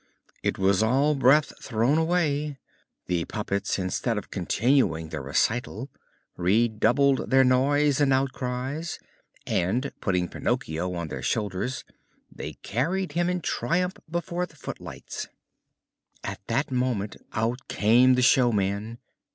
It was all breath thrown away. The puppets, instead of continuing the recital, redoubled their noise and outcries, and, putting Pinocchio on their shoulders, they carried him in triumph before the footlights. At that moment out came the showman.